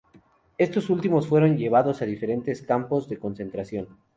Estos últimos fueron llevados a diferentes campos de concentración.